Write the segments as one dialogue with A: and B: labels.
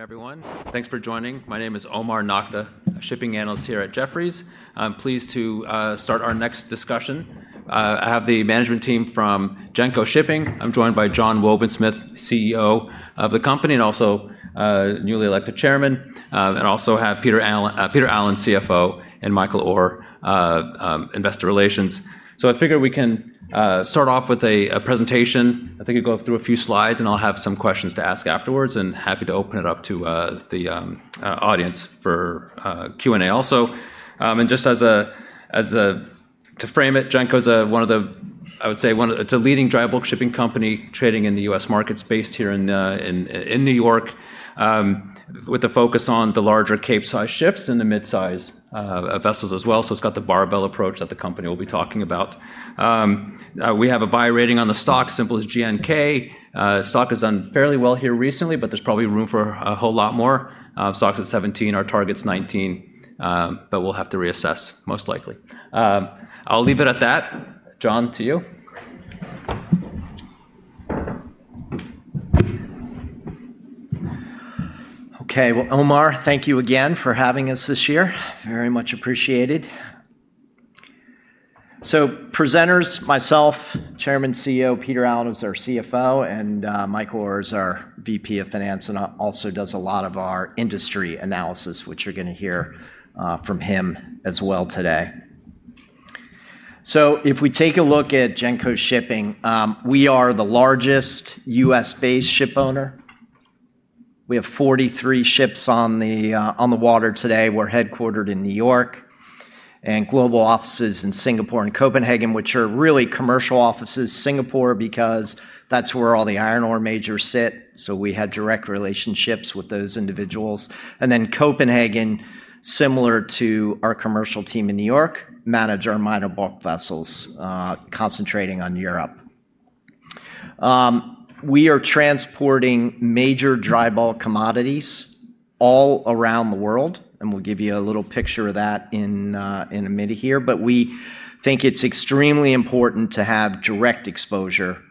A: Everyone, thanks for joining. My name is Omar Nokta, a shipping analyst here at Jefferies. I'm pleased to start our next discussion. I have the management team from Genco Shipping. I'm joined by John Wobensmith, CEO of the company, and also newly elected chairman. I also have Peter Allen, CFO, and Michael Orr, investor relations. So I figured we can start off with a presentation. I think you'll go through a few slides, and I'll have some questions to ask afterwards, and happy to open it up to the audience for Q&A also. And just as a, to frame it, Genco's one of the, I would say, one of the leading dry bulk shipping companies trading in the U.S. markets based here in New York, with a focus on the larger Capesize ships and the mid-sized vessels as well. So it's got the barbell approach that the company will be talking about. We have a buy rating on the stock, symbol is GNK. The stock has done fairly well here recently, but there's probably room for a whole lot more. Stock's at $17, our target's $19, but we'll have to reassess, most likely. I'll leave it at that. John, to you.
B: Okay, well, Omar, thank you again for having us this year. Very much appreciated. So presenters, myself, Chairman and CEO, Peter Allen, who's our CFO, and Michael Orr is our VP of Finance, and also does a lot of our industry analysis, which you're going to hear from him as well today. So if we take a look at Genco Shipping, we are the largest U.S. based ship owner. We have 43 ships on the water today. We're headquartered in New York, and global offices in Singapore and Copenhagen, which are really commercial offices. Singapore, because that's where all the iron ore majors sit, so we have direct relationships with those individuals. And then Copenhagen, similar to our commercial team in New York, manage our minor bulk vessels concentrating on Europe. We are transporting major dry bulk commodities all around the world, and we'll give you a little picture of that in a minute here, but we think it's extremely important to have direct exposure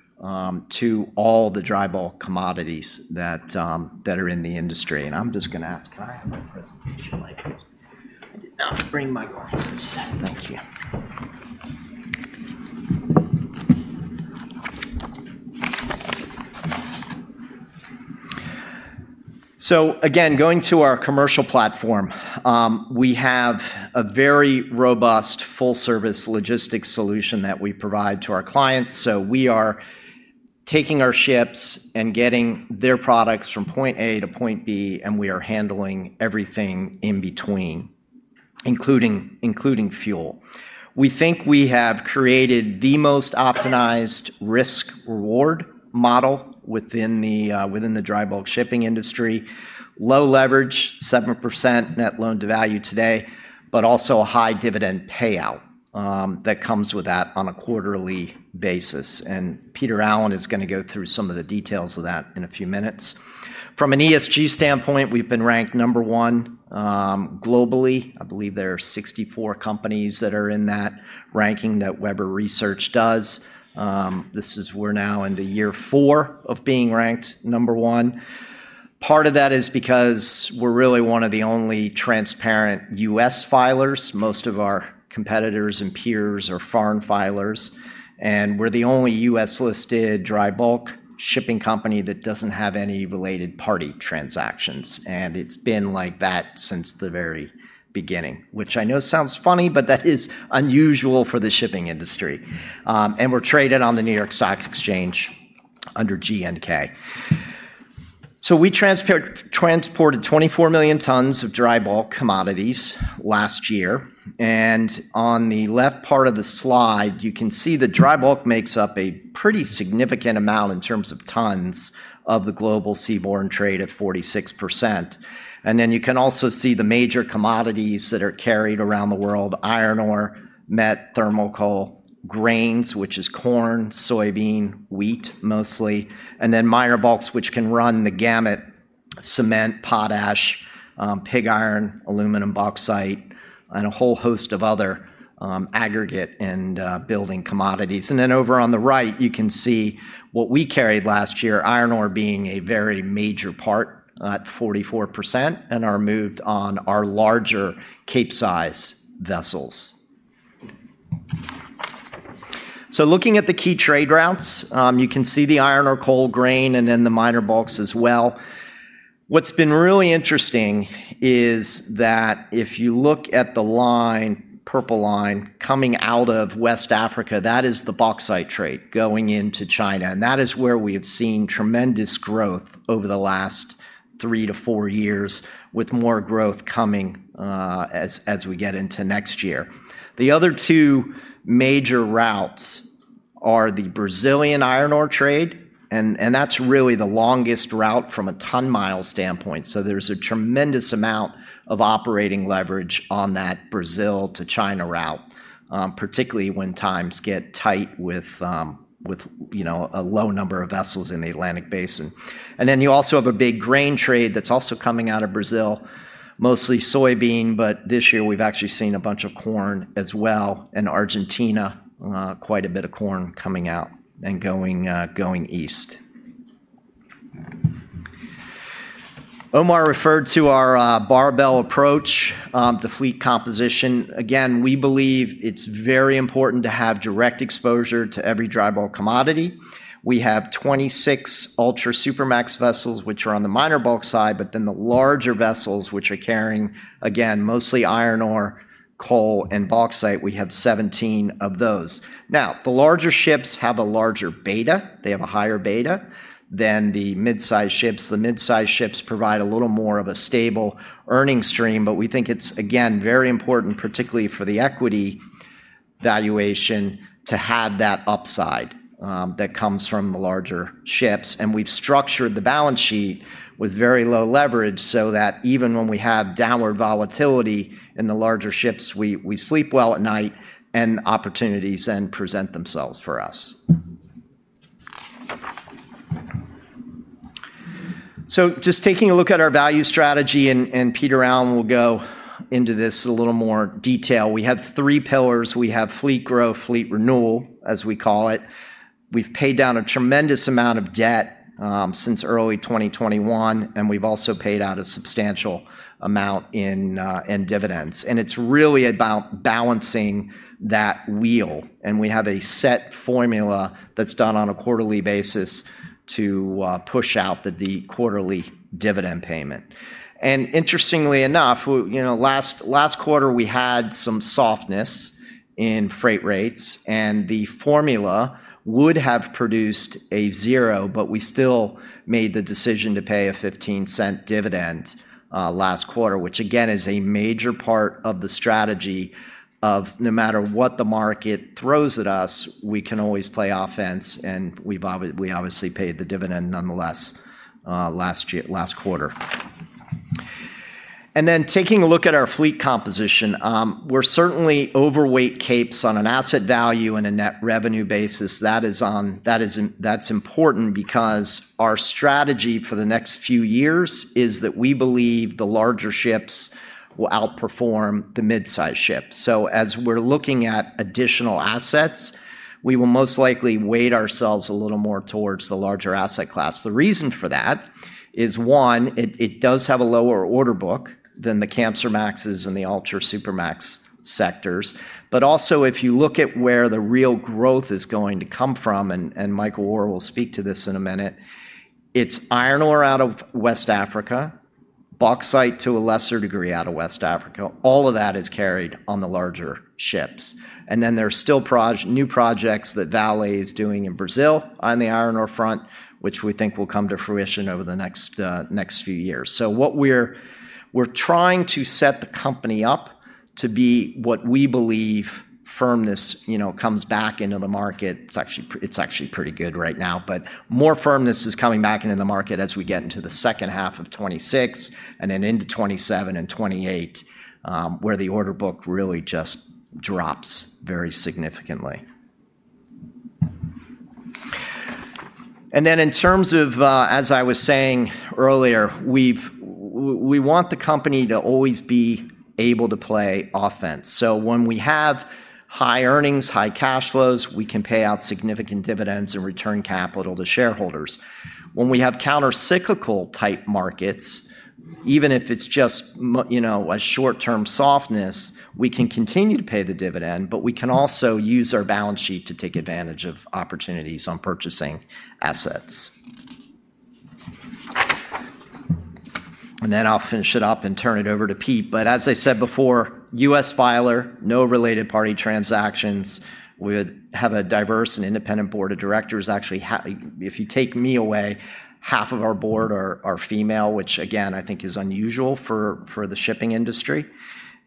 B: to all the dry bulk commodities that are in the industry. And I'm just going to ask, can I have a presentation like this? I did not bring my glasses. Thank you. So again, going to our commercial platform, we have a very robust full-service logistics solution that we provide to our clients. So we are taking our ships and getting their products from point A to point B, and we are handling everything in between, including fuel. We think we have created the most optimized risk-reward model within the dry bulk shipping industry: low leverage, 7% Net Loan-to-Value today, but also a high dividend payout that comes with that on a quarterly basis. Peter Allen is going to go through some of the details of that in a few minutes. From an ESG standpoint, we've been ranked number one globally. I believe there are 64 companies that are in that ranking that Webber Research does. This is, we're now in the year four of being ranked number one. Part of that is because we're really one of the only transparent U.S. filers. Most of our competitors and peers are foreign filers, and we're the only U.S. listed dry bulk shipping company that doesn't have any related party transactions. It's been like that since the very beginning, which I know sounds funny, but that is unusual for the shipping industry. We're traded on the New York Stock Exchange under GNK. We transported 24 million tons of dry bulk commodities last year. On the left part of the slide, you can see the dry bulk makes up a pretty significant amount in terms of tons of the global seaborne trade at 46%. And then you can also see the major commodities that are carried around the world: iron ore, meth, thermal coal, grains, which is corn, soybean, wheat mostly, and then minor bulks, which can run the gamut: cement, potash, pig iron, alumina, bauxite, and a whole host of other aggregate and building commodities. And then over on the right, you can see what we carried last year, iron ore being a very major part at 44%, and are moved on our larger Capesize vessels. So looking at the key trade routes, you can see the iron ore, coal, grain, and then the minor bulks as well. What's been really interesting is that if you look at the line, purple line, coming out of West Africa, that is the bauxite trade going into China, and that is where we have seen tremendous growth over the last three to four years, with more growth coming as we get into next year. The other two major routes are the Brazilian iron ore trade, and that's really the longest route from a ton-mile standpoint, so there's a tremendous amount of operating leverage on that Brazil to China route, particularly when times get tight with a low number of vessels in the Atlantic Basin, and then you also have a big grain trade that's also coming out of Brazil, mostly soybean, but this year we've actually seen a bunch of corn as well, and Argentina, quite a bit of corn coming out and going east. Omar referred to our barbell approach, the fleet composition. Again, we believe it's very important to have direct exposure to every dry bulk commodity. We have 26 Ultramax Supramax vessels, which are on the minor bulk side, but then the larger vessels, which are carrying, again, mostly iron ore, coal, and bauxite, we have 17 of those. Now, the larger ships have a larger beta. They have a higher beta than the mid-sized ships. The mid-sized ships provide a little more of a stable earning stream, but we think it's, again, very important, particularly for the equity valuation, to have that upside that comes from the larger ships, and we've structured the balance sheet with very low leverage so that even when we have downward volatility in the larger ships, we sleep well at night, and opportunities then present themselves for us. Just taking a look at our value strategy, and Peter Allen will go into this in a little more detail. We have three pillars. We have fleet growth, fleet renewal, as we call it. We've paid down a tremendous amount of debt since early 2021, and we've also paid out a substantial amount in dividends. It's really about balancing that wheel. We have a set formula that's done on a quarterly basis to push out the quarterly dividend payment. Interestingly enough, last quarter we had some softness in freight rates, and the formula would have produced a zero, but we still made the decision to pay a $0.15 dividend last quarter, which again is a major part of the strategy of no matter what the market throws at us, we can always play offense. We obviously paid the dividend nonetheless last quarter. And then taking a look at our fleet composition, we're certainly overweight capes on an asset value and a net revenue basis. That's important because our strategy for the next few years is that we believe the larger ships will outperform the mid-sized ships. So as we're looking at additional assets, we will most likely weigh ourselves a little more towards the larger asset class. The reason for that is, one, it does have a lower order book than the Kamsarmaxes and the Ultramax Supramax sectors. But also, if you look at where the real growth is going to come from, and Michael Orr will speak to this in a minute, it's iron ore out of West Africa, bauxite to a lesser degree out of West Africa. All of that is carried on the larger ships. And then there are still new projects that Vale is doing in Brazil on the iron ore front, which we think will come to fruition over the next few years. So we're trying to set the company up to be what we believe firmness comes back into the market. It's actually pretty good right now, but more firmness is coming back into the market as we get into the second half of 2026 and then into 2027 and 2028, where the order book really just drops very significantly. And then in terms of, as I was saying earlier, we want the company to always be able to play offense. So when we have high earnings, high cash flows, we can pay out significant dividends and return capital to shareholders. When we have countercyclical type markets, even if it's just a short-term softness, we can continue to pay the dividend, but we can also use our balance sheet to take advantage of opportunities on purchasing assets. And then I'll finish it up and turn it over to Pete. But as I said before, U.S. filer, no related party transactions. We have a diverse and independent board of directors. Actually, if you take me away, half of our board are female, which again, I think is unusual for the shipping industry.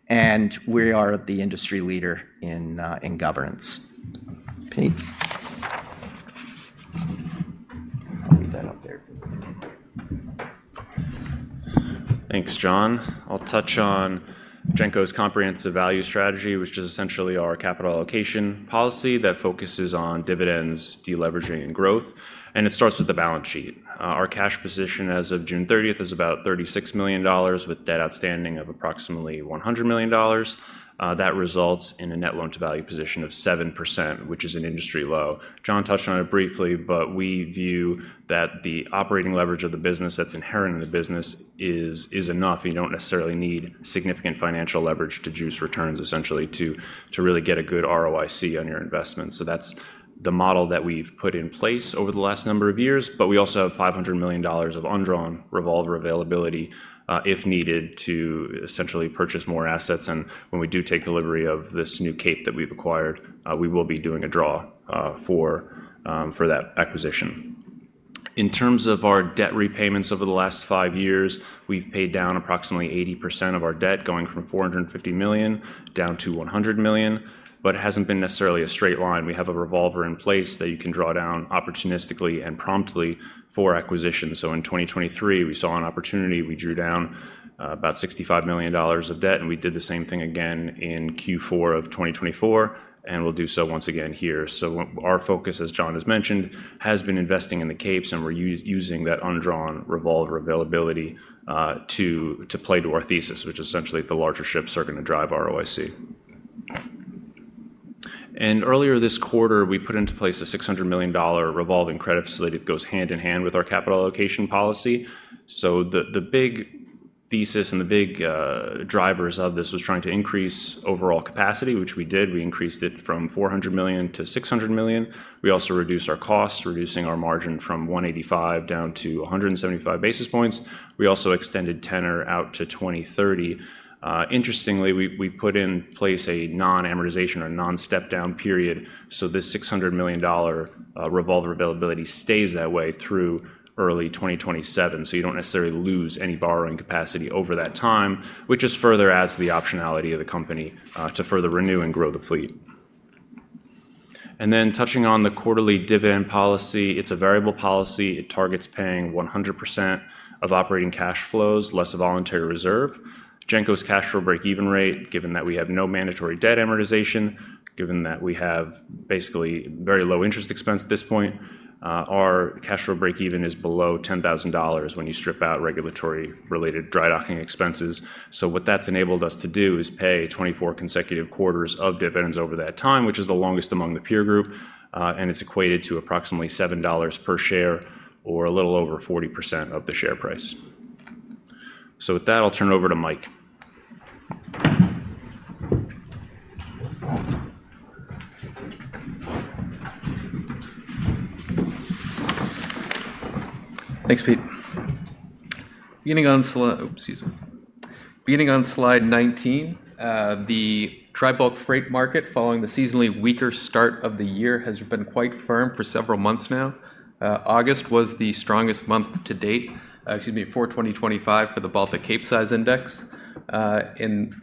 B: And we are the industry leader in governance. Pete.
C: Thanks, John. I'll touch on Genco's comprehensive value strategy, which is essentially our capital allocation policy that focuses on dividends, deleveraging, and growth. It starts with the balance sheet. Our cash position as of June 30th is about $36 million, with debt outstanding of approximately $100 million. That results in a net loan to value position of 7%, which is an industry low. John touched on it briefly, but we view that the operating leverage of the business that's inherent in the business is enough. You don't necessarily need significant financial leverage to juice returns, essentially, to really get a good ROIC on your investment. That's the model that we've put in place over the last number of years. We also have $500 million of undrawn revolver availability if needed to essentially purchase more assets. And when we do take delivery of this new cape that we've acquired, we will be doing a draw for that acquisition. In terms of our debt repayments over the last five years, we've paid down approximately 80% of our debt, going from $450 million down to $100 million. But it hasn't been necessarily a straight line. We have a revolver in place that you can draw down opportunistically and promptly for acquisition. So in 2023, we saw an opportunity. We drew down about $65 million of debt, and we did the same thing again in Q4 of 2024, and we'll do so once again here. So our focus, as John has mentioned, has been investing in the capes, and we're using that undrawn revolver availability to play to our thesis, which essentially the larger ships are going to drive ROIC. And earlier this quarter, we put into place a $600 million revolving credit facility that goes hand in hand with our capital allocation policy. So the big thesis and the big drivers of this was trying to increase overall capacity, which we did. We increased it from $400 million to $600 million. We also reduced our costs, reducing our margin from 185 down to 175 basis points. We also extended tenor out to 2030. Interestingly, we put in place a non-amortization or non-step-down period. So this $600 million revolver availability stays that way through early 2027. So you don't necessarily lose any borrowing capacity over that time, which just further adds to the optionality of the company to further renew and grow the fleet. And then touching on the quarterly dividend policy, it's a variable policy. It targets paying 100% of operating cash flows, less a voluntary reserve. Genco's cash flow break-even rate, given that we have no mandatory debt amortization, given that we have basically very low interest expense at this point, our cash flow break-even is below $10,000 when you strip out regulatory-related dry docking expenses. So what that's enabled us to do is pay 24 consecutive quarters of dividends over that time, which is the longest among the peer group, and it's equated to approximately $7 per share or a little over 40% of the share price. So with that, I'll turn it over to Mike. Thanks, Pete. Beginning on slide 19, the drybulk freight market, following the seasonally weaker start of the year, has been quite firm for several months now. August was the strongest month to date, excuse me, for 2025 for the Baltic Capesize Index.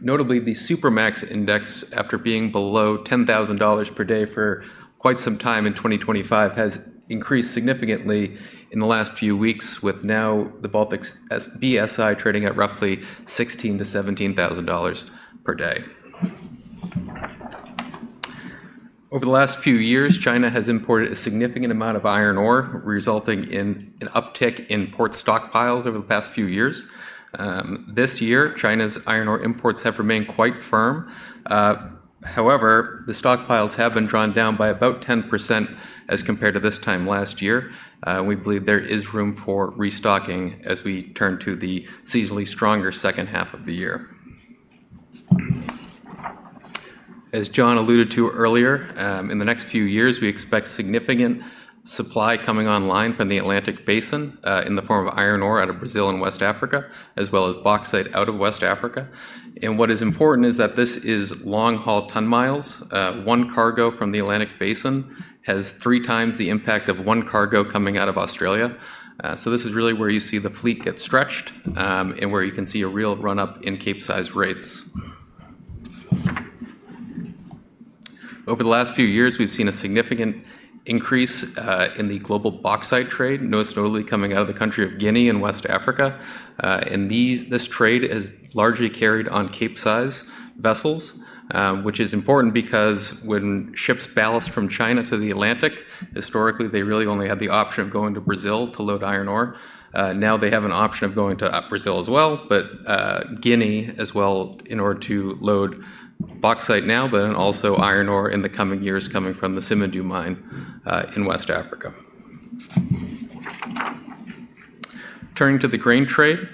C: Notably, the Supramax Index, after being below $10,000 per day for quite some time in 2025, has increased significantly in the last few weeks, with now the Baltic BSI trading at roughly $16,000-$17,000 per day. Over the last few years, China has imported a significant amount of iron ore, resulting in an uptick in port stockpiles over the past few years. This year, China's iron ore imports have remained quite firm. However, the stockpiles have been drawn down by about 10% as compared to this time last year. We believe there is room for restocking as we turn to the seasonally stronger second half of the year. As John alluded to earlier, in the next few years, we expect significant supply coming online from the Atlantic Basin in the form of iron ore out of Brazil and West Africa, as well as bauxite out of West Africa. What is important is that this is long-haul ton-miles. One cargo from the Atlantic Basin has three times the impact of one cargo coming out of Australia. This is really where you see the fleet get stretched and where you can see a real run-up in Capesize rates. Over the last few years, we've seen a significant increase in the global bauxite trade, most notably coming out of the country of Guinea and West Africa. This trade is largely carried on Capesize vessels, which is important because when ships ballast from China to the Atlantic, historically, they really only had the option of going to Brazil to load iron ore. Now they have an option of going to Brazil as well, but Guinea as well in order to load bauxite now, but then also iron ore in the coming years coming from the Simandou mine in West Africa. Turning to the grain trade,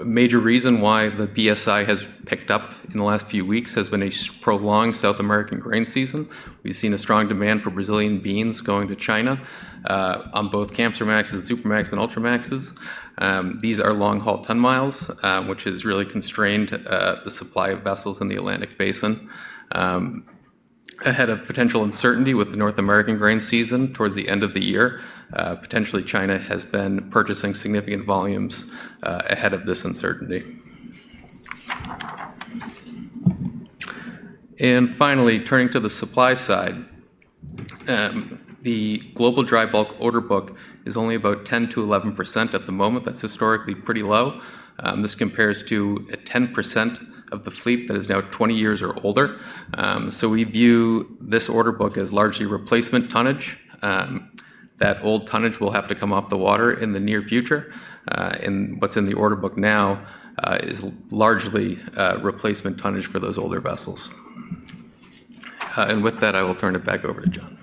C: a major reason why the BSI has picked up in the last few weeks has been a prolonged South American grain season. We've seen a strong demand for Brazilian beans going to China on both Kamsarmaxes, Supramaxes, and Ultramaxes. These are long-haul ton-miles, which has really constrained the supply of vessels in the Atlantic Basin. Ahead of potential uncertainty with the North American grain season towards the end of the year, potentially China has been purchasing significant volumes ahead of this uncertainty. Finally, turning to the supply side, the global dry bulk order book is only about 10%-11% at the moment. That's historically pretty low. This compares to 10% of the fleet that is now 20 years or older. We view this order book as largely replacement tonnage. That old tonnage will have to come off the water in the near future. What's in the order book now is largely replacement tonnage for those older vessels. With that, I will turn it back over to John.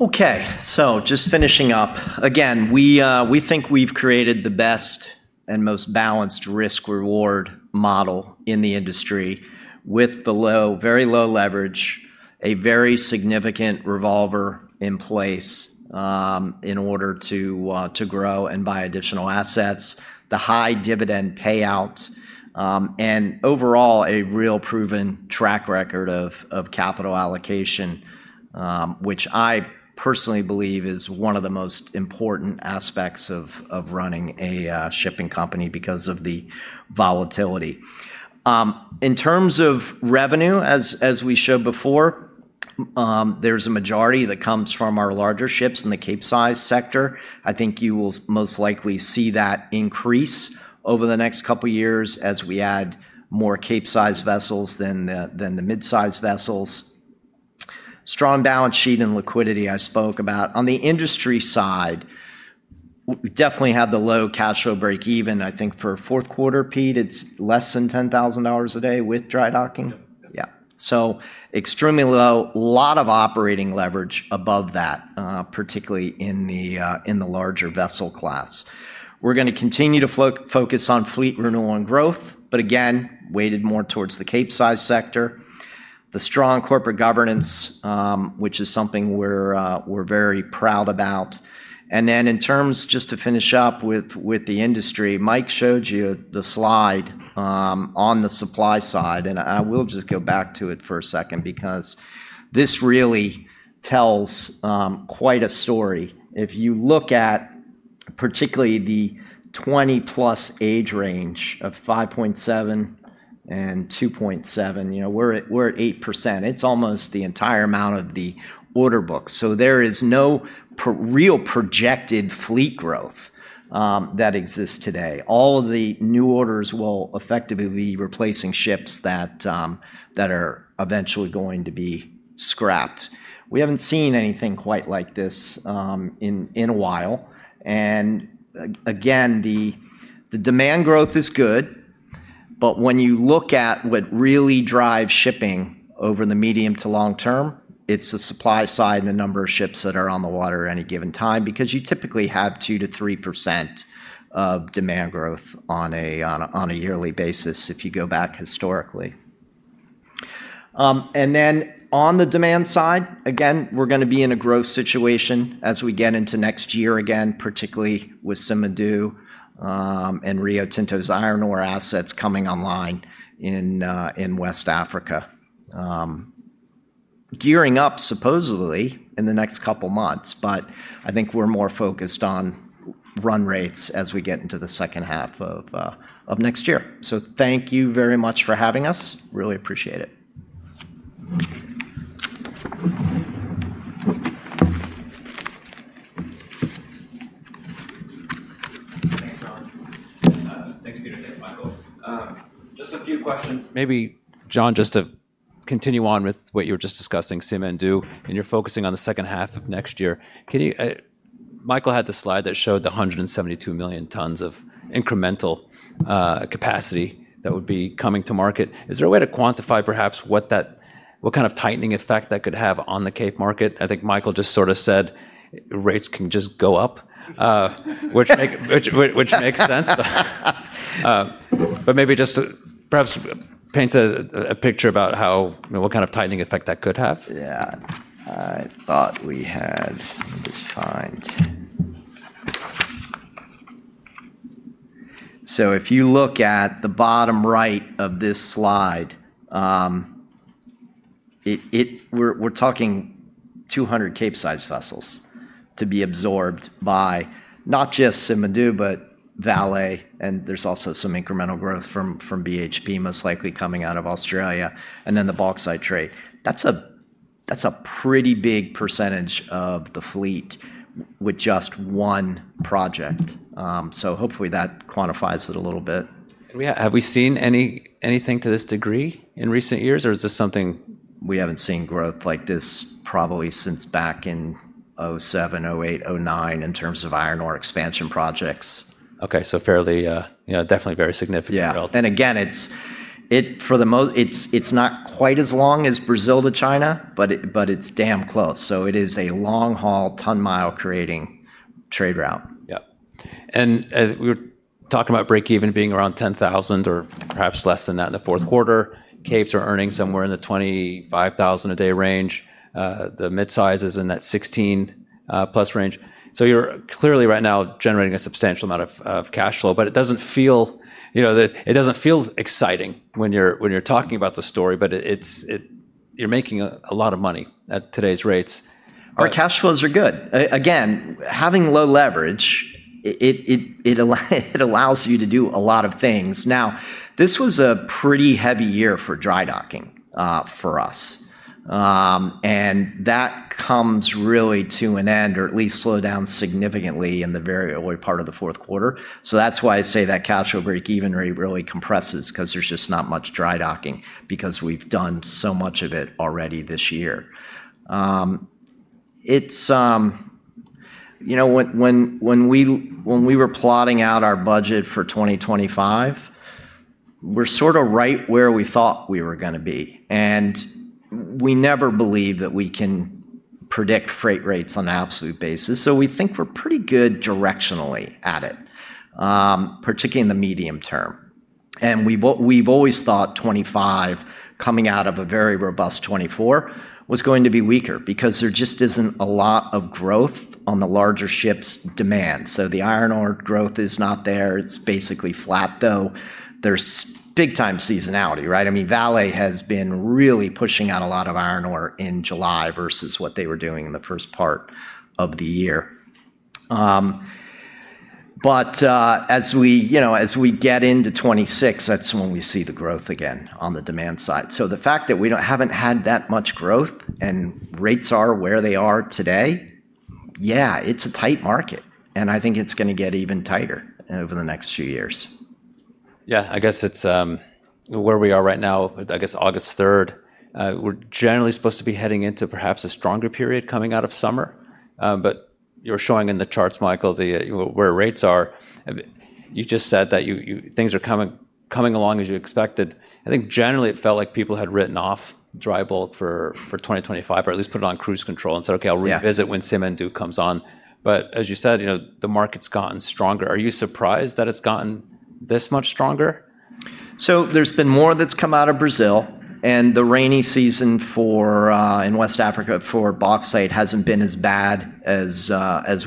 B: Okay. So just finishing up. Again, we think we've created the best and most balanced risk-reward model in the industry with the low, very low leverage, a very significant revolver in place in order to grow and buy additional assets, the high dividend payout, and overall, a real proven track record of capital allocation, which I personally believe is one of the most important aspects of running a shipping company because of the volatility. In terms of revenue, as we showed before, there's a majority that comes from our larger ships in the Capesize sector. I think you will most likely see that increase over the next couple of years as we add more Capesize vessels than the mid-sized vessels. Strong balance sheet and liquidity I spoke about. On the industry side, we definitely have the low cash flow break-even. I think for fourth quarter, Pete, it's less than $10,000 a day with dry docking. Yeah, so extremely low, a lot of operating leverage above that, particularly in the larger vessel class. We're going to continue to focus on fleet renewal and growth, but again, weighted more towards the Capesize sector, the strong corporate governance, which is something we're very proud about, and then in terms, just to finish up with the industry, Mike showed you the slide on the supply side, and I will just go back to it for a second because this really tells quite a story. If you look at particularly the 20-plus age range of 5.7% and 2.7%, we're at 8%. It's almost the entire amount of the order book, so there is no real projected fleet growth that exists today. All of the new orders will effectively be replacing ships that are eventually going to be scrapped. We haven't seen anything quite like this in a while. And again, the demand growth is good, but when you look at what really drives shipping over the medium to long term, it's the supply side and the number of ships that are on the water at any given time because you typically have 2%-3% of demand growth on a yearly basis if you go back historically. And then on the demand side, again, we're going to be in a growth situation as we get into next year again, particularly with Simandou and Rio Tinto's iron ore assets coming online in West Africa, gearing up supposedly in the next couple of months. But I think we're more focused on run rates as we get into the second half of next year. Thank you very much for having us. Really appreciate it.
A: Thanks, John. Thanks, Peter. Thanks, Michael. Just a few questions. Maybe, John, just to continue on with what you were just discussing, Simandou, and you're focusing on the second half of next year. Michael had the slide that showed the 172 million tons of incremental capacity that would be coming to market. Is there a way to quantify perhaps what kind of tightening effect that could have on the Capesize market? I think Michael just sort of said rates can just go up, which makes sense. But maybe just perhaps paint a picture about what kind of tightening effect that could have.
B: Yeah. I thought we had. Let me just find. So if you look at the bottom right of this slide, we're talking 200 Capesize vessels to be absorbed by not just Simandou, but Vale, and there's also some incremental growth from BHP, most likely coming out of Australia, and then the bauxite trade. That's a pretty big percentage of the fleet with just one project. So hopefully that quantifies it a little bit.
A: Have we seen anything to this degree in recent years, or is this something we haven't seen growth like this probably since back in 2007, 2008, 2009 in terms of iron ore expansion projects?
B: Okay, so definitely very significant.
A: Yeah.
B: Again, for the most, it's not quite as long as Brazil to China, but it's damn close. So it is a long-haul ton-mile creating trade route.
A: Yeah, and as we were talking about break-even being around $10,000 or perhaps less than that in the fourth quarter, capes are earning somewhere in the $25,000 a day range. The mid-size is in that $16,000-plus range. So you're clearly right now generating a substantial amount of cash flow, but it doesn't feel exciting when you're talking about the story, but you're making a lot of money at today's rates.
B: Our cash flows are good. Again, having low leverage, it allows you to do a lot of things. Now, this was a pretty heavy year for dry docking for us. And that comes really to an end, or at least slowed down significantly in the very early part of the fourth quarter. So that's why I say that cash flow break-even rate really compresses because there's just not much dry docking because we've done so much of it already this year. When we were plotting out our budget for 2025, we're sort of right where we thought we were going to be. And we never believe that we can predict freight rates on an absolute basis. So we think we're pretty good directionally at it, particularly in the medium term. We've always thought 2025, coming out of a very robust 2024, was going to be weaker because there just isn't a lot of growth on the larger ships' demand. So the iron ore growth is not there. It's basically flat, though. There's big-time seasonality, right? I mean, Vale has been really pushing out a lot of iron ore in July versus what they were doing in the first part of the year. But as we get into 2026, that's when we see the growth again on the demand side. So the fact that we haven't had that much growth and rates are where they are today, yeah, it's a tight market. And I think it's going to get even tighter over the next few years.
A: Yeah. I guess where we are right now, I guess August 3rd, we're generally supposed to be heading into perhaps a stronger period coming out of summer. But you're showing in the charts, Michael, where rates are. You just said that things are coming along as you expected. I think generally it felt like people had written off dry bulk for 2025, or at least put it on cruise control and said, "Okay, I'll revisit when Simandou comes on." But as you said, the market's gotten stronger. Are you surprised that it's gotten this much stronger?
D: So there's been more that's come out of Brazil. And the rainy season in West Africa for bauxite hasn't been as bad as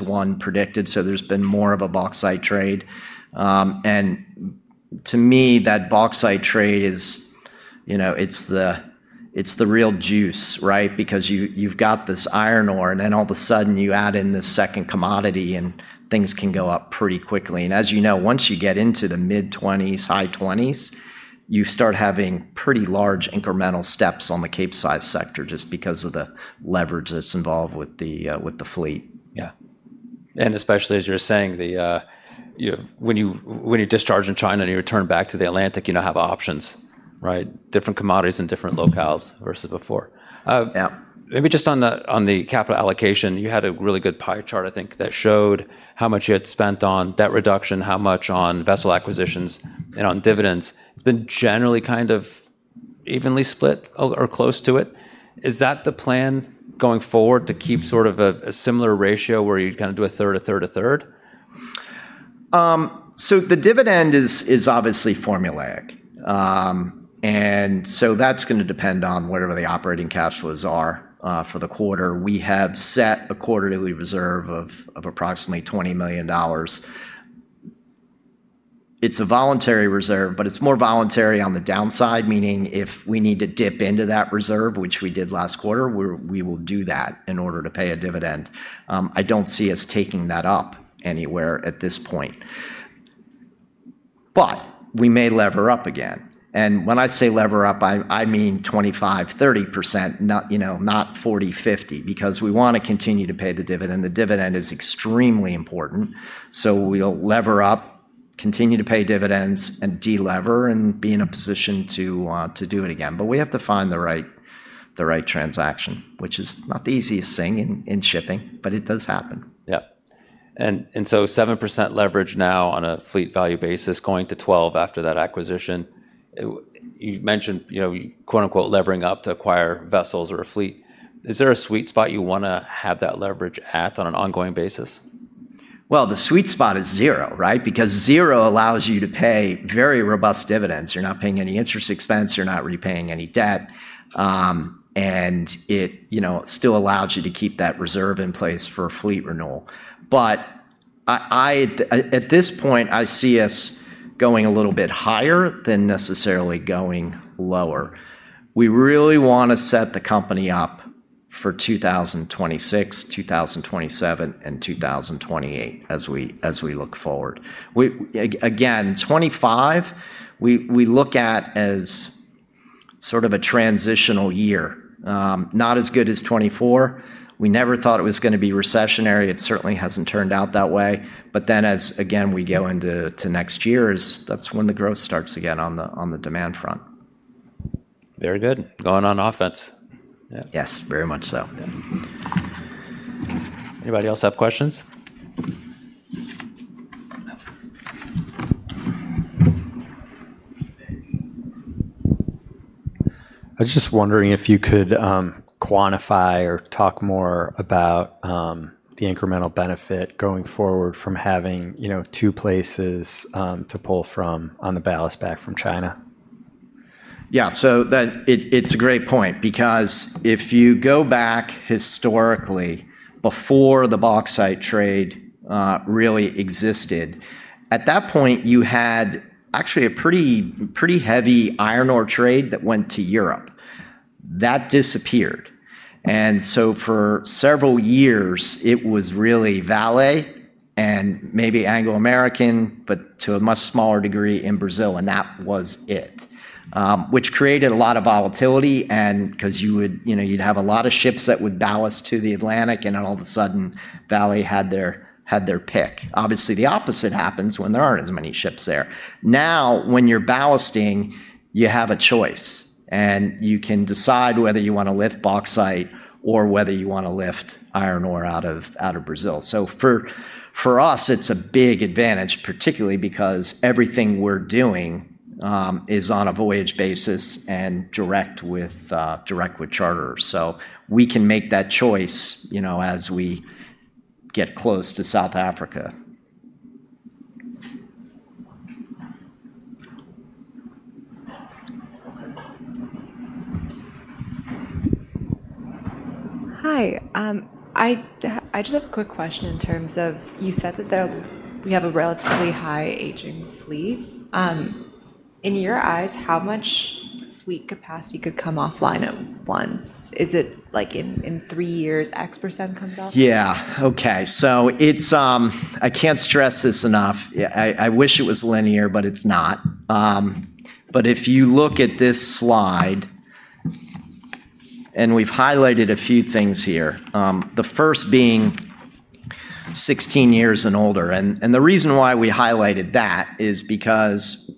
D: one predicted. So there's been more of a bauxite trade. And to me, that bauxite trade, it's the real juice, right? Because you've got this iron ore, and then all of a sudden you add in this second commodity, and things can go up pretty quickly. And as you know, once you get into the mid-20s, high 20s, you start having pretty large incremental steps on the Capesize sector just because of the leverage that's involved with the fleet.
A: Yeah, and especially as you're saying, when you discharge in China and you return back to the Atlantic, you now have options, right? Different commodities in different locales versus before. Maybe just on the capital allocation, you had a really good pie chart, I think, that showed how much you had spent on debt reduction, how much on vessel acquisitions, and on dividends. It's been generally kind of evenly split or close to it. Is that the plan going forward to keep sort of a similar ratio where you kind of do a third, a third, a third?
B: The dividend is obviously formulaic. And so that's going to depend on whatever the operating cash flows are for the quarter. We have set a quarterly reserve of approximately $20 million. It's a voluntary reserve, but it's more voluntary on the downside, meaning if we need to dip into that reserve, which we did last quarter, we will do that in order to pay a dividend. I don't see us taking that up anywhere at this point. But we may lever up again. And when I say lever up, I mean 25%-30%, not 40%-50% because we want to continue to pay the dividend. The dividend is extremely important. So we'll lever up, continue to pay dividends, and de-lever and be in a position to do it again. But we have to find the right transaction, which is not the easiest thing in shipping, but it does happen.
A: Yeah. And so 7% leverage now on a fleet value basis going to 12% after that acquisition. You mentioned "levering up" to acquire vessels or a fleet. Is there a sweet spot you want to have that leverage at on an ongoing basis?
B: The sweet spot is zero, right? Because zero allows you to pay very robust dividends. You're not paying any interest expense. You're not repaying any debt. And it still allows you to keep that reserve in place for fleet renewal. But at this point, I see us going a little bit higher than necessarily going lower. We really want to set the company up for 2026, 2027, and 2028 as we look forward. Again, 2025, we look at as sort of a transitional year. Not as good as 2024. We never thought it was going to be recessionary. It certainly hasn't turned out that way. But then as, again, we go into next years, that's when the growth starts again on the demand front.
A: Very good. Going on offense.
B: Yes, very much so.
A: Anybody else have questions? I was just wondering if you could quantify or talk more about the incremental benefit going forward from having two places to pull from on the ballast back from China?
B: Yeah. So it's a great point because if you go back historically before the bauxite trade really existed, at that point, you had actually a pretty heavy iron ore trade that went to Europe. That disappeared. And so for several years, it was really Vale and maybe Anglo American, but to a much smaller degree in Brazil. And that was it, which created a lot of volatility because you'd have a lot of ships that would ballast to the Atlantic, and then all of a sudden Vale had their pick. Obviously, the opposite happens when there aren't as many ships there. Now, when you're ballasting, you have a choice. And you can decide whether you want to lift bauxite or whether you want to lift iron ore out of Brazil. So for us, it's a big advantage, particularly because everything we're doing is on a voyage basis and direct with charters. So we can make that choice as we get close to South Africa. Hi. I just have a quick question in terms of you said that we have a relatively highly aging fleet. In your eyes, how much fleet capacity could come offline at once? Is it like in three years, X% comes offline? Yeah. Okay, so I can't stress this enough. I wish it was linear, but it's not, but if you look at this slide, and we've highlighted a few things here, the first being 16 years and older, and the reason why we highlighted that is because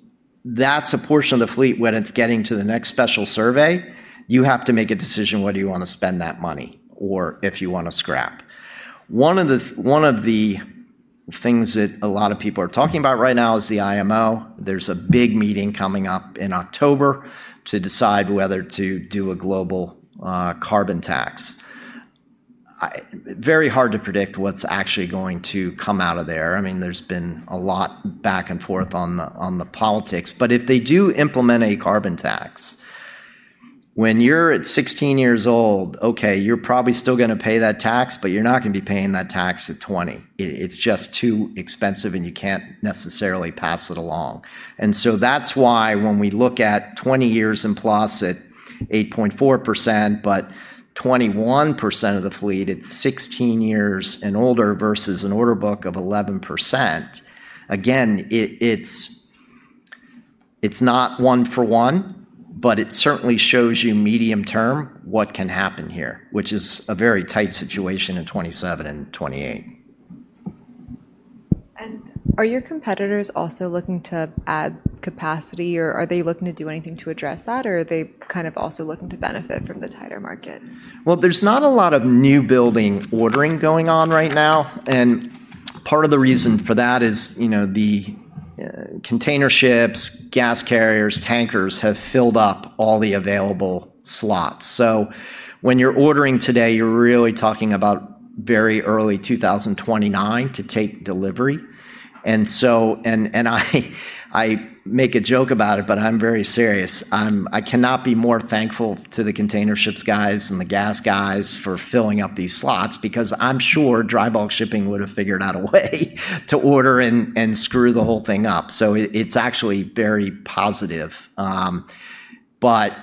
B: that's a portion of the fleet when it's getting to the next special survey, you have to make a decision whether you want to spend that money or if you want to scrap. One of the things that a lot of people are talking about right now is the IMO. There's a big meeting coming up in October to decide whether to do a global carbon tax. Very hard to predict what's actually going to come out of there. I mean, there's been a lot back and forth on the politics. But if they do implement a carbon tax, when you're at 16 years old, okay, you're probably still going to pay that tax, but you're not going to be paying that tax at 20. It's just too expensive, and you can't necessarily pass it along. And so that's why when we look at 20 years and plus, at 8.4%, but 21% of the fleet at 16 years and older versus an order book of 11%, again, it's not one for one, but it certainly shows you medium term what can happen here, which is a very tight situation in 2027 and 2028. Are your competitors also looking to add capacity, or are they looking to do anything to address that, or are they kind of also looking to benefit from the tighter market? Well, there's not a lot of new building ordering going on right now. And part of the reason for that is the container ships, gas carriers, tankers have filled up all the available slots. So when you're ordering today, you're really talking about very early 2029 to take delivery. And I make a joke about it, but I'm very serious. I cannot be more thankful to the container ships guys and the gas guys for filling up these slots because I'm sure dry bulk shipping would have figured out a way to order and screw the whole thing up. So it's actually very positive. But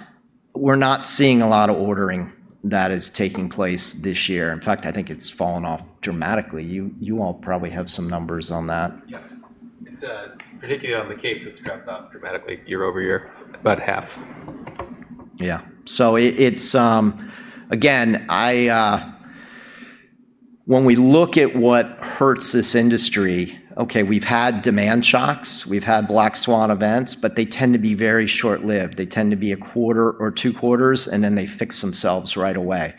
B: we're not seeing a lot of ordering that is taking place this year. In fact, I think it's fallen off dramatically. You all probably have some numbers on that. Yeah. It's particularly on the Capesize rates that dropped off dramatically year over year, about half. Yeah. So again, when we look at what hurts this industry, okay, we've had demand shocks. We've had black swan events, but they tend to be very short-lived. They tend to be a quarter or two quarters, and then they fix themselves right away.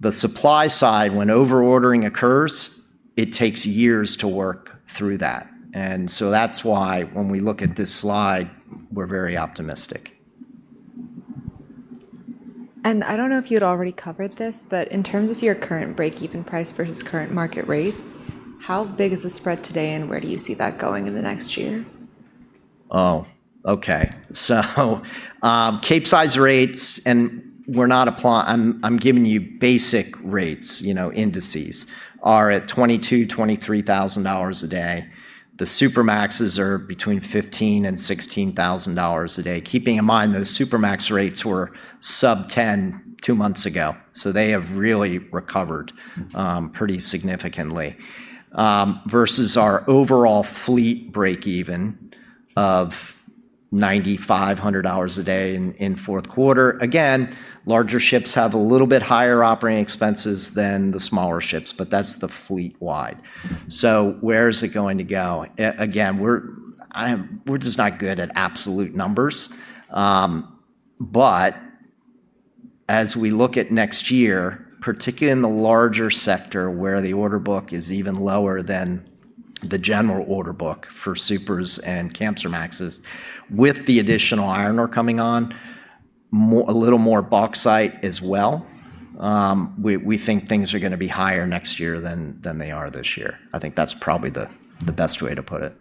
B: The supply side, when over-ordering occurs, it takes years to work through that. And so that's why when we look at this slide, we're very optimistic. I don't know if you'd already covered this, but in terms of your current break-even price versus current market rates, how big is the spread today, and where do you see that going in the next year? Oh, okay. So Capesize rates, and I'm giving you basic rates, indices, are at $22,000-$23,000 a day. The Supramaxes are between $15,000 and $16,000 a day. Keeping in mind those Supramax rates were sub-10 two months ago. So they have really recovered pretty significantly versus our overall fleet break-even of $9,500 a day in fourth quarter. Again, larger ships have a little bit higher operating expenses than the smaller ships, but that's the fleet-wide. So where is it going to go? Again, we're just not good at absolute numbers. But as we look at next year, particularly in the larger sector where the order book is even lower than the general order book for Supras and Kamsarmaxes, with the additional iron ore coming on, a little more bauxite as well, we think things are going to be higher next year than they are this year. I think that's probably the best way to put it.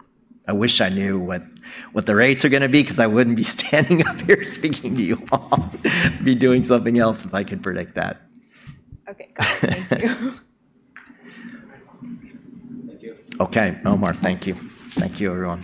B: I wish I knew what the rates are going to be because I wouldn't be standing up here speaking to you all. I'd be doing something else if I could predict that. Okay. Got it. Thank you. Okay. Omar, thank you. Thank you, everyone.